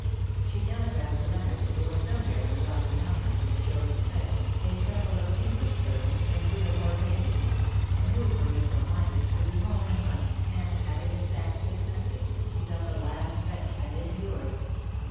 She telegraphed to Leonard, who was somewhere in the E/Ocky Mountains, with a chosen friend, a couple of English servants and three or four Canadians, — and who, were he so minded, could be home in a month — and having despatched this message she felt the last wrench had been endured.